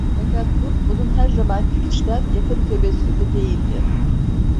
Fakat bu, onun her zamanki içten, yakın tebessümü değildi.